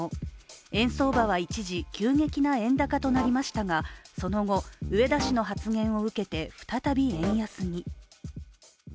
円相場は一時、急激な円高となりましたがその後、植田氏の発言を受けて再び円安に。